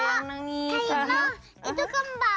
kay hilo itu kembar